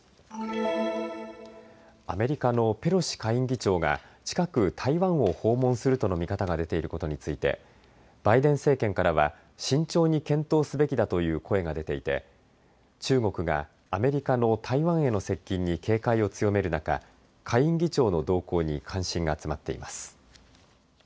アメリカのペロシ下院議長が近く台湾を訪問するとの見方が出ていることについてバイデン政権からは慎重に検討すべきだという声が出ていて中国がアメリカの台湾への接近に警戒を強める中、下院議長の動向に関心が集まっています。